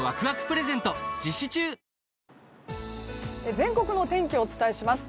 全国の天気をお伝えします。